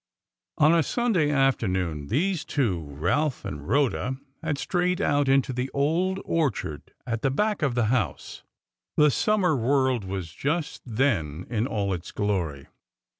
On a Sunday afternoon these two, Ralph and Rhoda, had strayed out into the old orchard at the back of the house. The summer world was just then in all its glory.